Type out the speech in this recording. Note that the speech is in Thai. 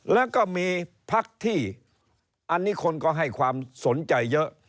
แล้วก็มีพักที่อันนี้คนก็ให้ความสนใจเยอะ